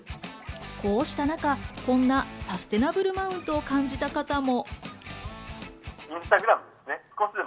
こうした中、こんなサステナブルマウントを感じた方も。